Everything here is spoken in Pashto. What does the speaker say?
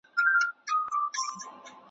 رپېدلی پر خیبر وي ړندې سترګي د اغیار کې .